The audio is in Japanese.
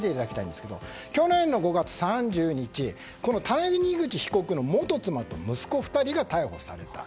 去年の５月３０日谷口被告の元妻と息子２人が逮捕された。